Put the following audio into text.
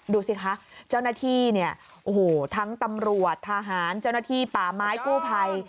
ดูสิคะเจ้าหน้าที่เนี่ยโอ้โหทั้งตำรวจทหารเจ้าหน้าที่ป่าไม้กู้ภัย